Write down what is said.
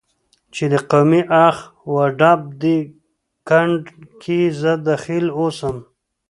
چې د قومي اخ و ډب دې ګند کې زه دخیل اوسم،